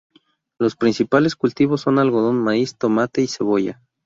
Los principales cultivos son algodón, maíz, tomate y cebolla.